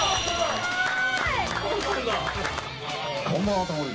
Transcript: すごい！